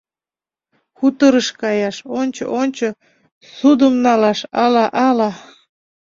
Хуторыш каяш — «ончо-ончо», ссудым налаш — «ала-ала».